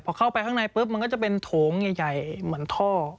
พอเข้าไปข้างในปุ๊บมันก็จะเป็นโถงใหญ่เหมือนท่อ